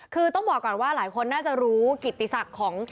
คือต้องบอกก่อนว่าหลายคนน่าจะรู้กิติศักดิ์ของ